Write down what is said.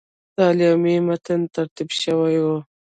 د اعلامیې متن ترتیب شوی وو.